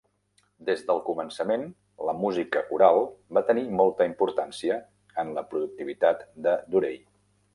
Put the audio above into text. Des del començament la música coral va tenir molta importància en la productivitat de Durey.